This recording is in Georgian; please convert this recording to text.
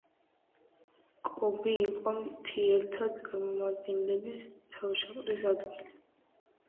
კობი იყო მთიელთა წარმომადგენლების თავშეყრის ადგილი.